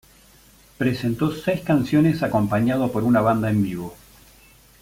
Presentó seis canciones acompañado por una banda en vivo.